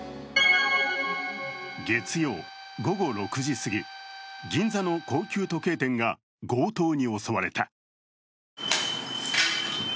月曜、午後６時すぎ、銀座の高級時計店が強盗に襲われた。